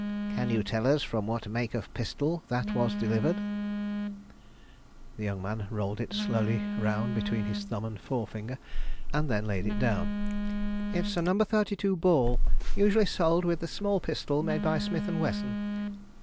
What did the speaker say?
"Can you tell us from what make of pistol that was delivered?" The young man rolled it slowly round between his thumb and forefinger, and then laid it down. "It is a No. 32 ball, usually sold with the small pistol made by Smith & Wesson."